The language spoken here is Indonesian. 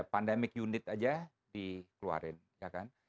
pandemic unit aja dikeluarin